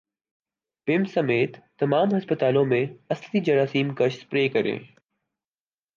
پمز سمیت تمام ھسپتالوں میں اصلی جراثیم کش سپرے کریں